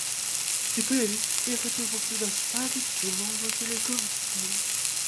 Теперь я хотел бы предоставить слово делегациям.